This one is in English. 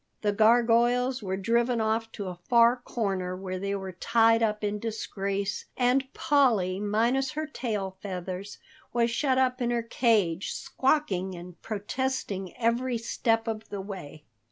The gargoyles were driven off to a far corner where they were tied up in disgrace, and Polly, minus her tail feathers, was shut up in her cage, squawking and protesting every step of the way.